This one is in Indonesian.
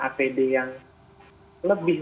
apd yang lebih